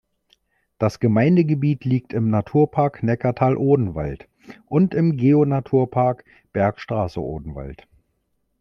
Das Gemeindegebiet liegt im Naturpark Neckartal-Odenwald und im Geo-Naturpark Bergstraße-Odenwald.